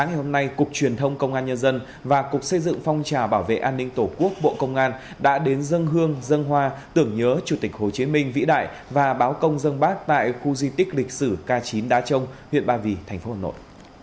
ngày hôm nay cục truyền thông công an nhân dân và cục xây dựng phong trào bảo vệ an ninh tổ quốc bộ công an đã đến dân hương dân hoa tưởng nhớ chủ tịch hồ chí minh vĩ đại và báo công dân bác tại khu di tích lịch sử k chín đá trông huyện ba vì thành phố hà nội